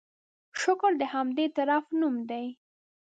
شکر د همدې اعتراف نوم دی.